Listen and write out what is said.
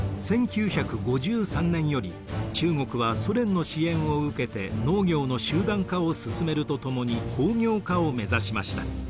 １９５３年より中国はソ連の支援を受けて農業の集団化を進めるとともに工業化を目指しました。